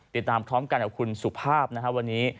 ติดตามท้องกันกับคุณสุภาพวันนี้